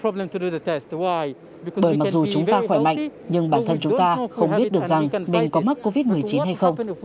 bởi mặc dù chúng ta khỏe mạnh nhưng bản thân chúng ta không biết được rằng mình có mắc covid một mươi chín hay không